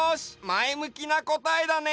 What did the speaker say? まえむきなこたえだね！